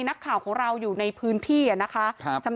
นักข่าวของเราอยู่ในพื้นที่นะคะ